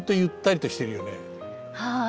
はい。